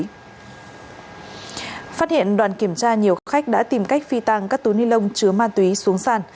phát hiện đoàn kiểm tra nhiều khách đã tìm cách phi tàng các túi nilon chứa ma túy xuống sàn